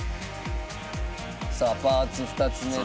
「さあパーツ２つ目と」